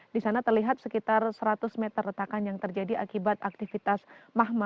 di sana terlihat sekitar seratus meter retakan yang terjadi akibat aktivitas mahma